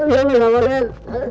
ya mas kasman